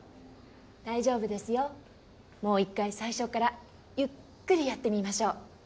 大丈夫ですよもう一回最初からゆっくりやってみましょう。